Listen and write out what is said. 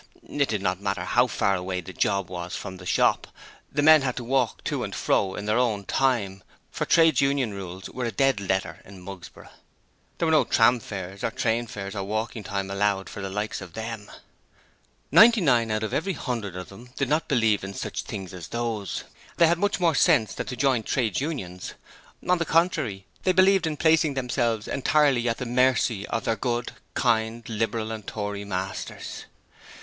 It did not matter how far away the 'job' was from the shop, the men had to walk to and fro in their own time, for Trades Union rules were a dead letter in Mugsborough. There were no tram fares or train fares or walking time allowed for the likes of them. Ninety nine out of every hundred of them did not believe in such things as those: they had much more sense than to join Trades Unions: on the contrary, they believed in placing themselves entirely at the mercy of their good, kind Liberal and Tory masters.